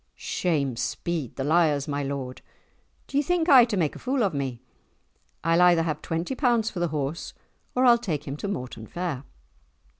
"Shame speed the liars, my lord! Do ye think aye to make a fool of me? I'll either have twenty pounds for the horse, or I'll take him to Mortan fair."